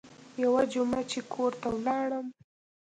يوه جمعه چې کور ته ولاړم.